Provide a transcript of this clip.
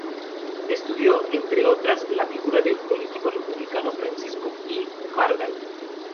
Estudió, entre otras, la figura del político republicano Francisco Pi y Margall.